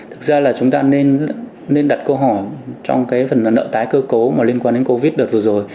thực ra là chúng ta nên đặt câu hỏi trong cái phần nợ tái cơ cấu mà liên quan đến covid đợt vừa rồi